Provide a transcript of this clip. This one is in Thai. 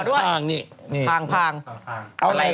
โอ้โหมันเป็นความต่อกันซักนิดหนึ่ง